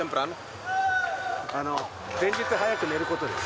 前日、早く寝ることです。